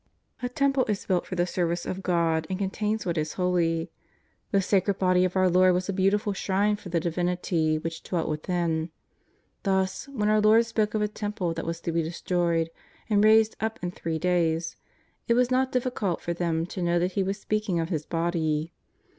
A temple is built for the service of God and contains what is holy. The sacred body of our Lord was a beautiful shrine for the Divinity which dwelt within. Thus, when our I^ord spoke of a Temple that was to be destroyed and raised up in three days, it was not difficult for them to know that He was speaking of His body.